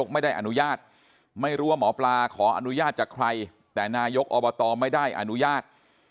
ไม่รู้ว่าหมอปลาขออนุญาตจากใครแต่นายกอบตอไม่ได้อนุญาต